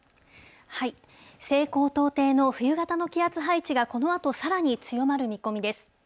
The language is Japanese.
西高東低の冬型の気圧配置が、このあとさらに強まる見込みです。